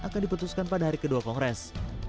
akan diputuskan pada hari kedua kongres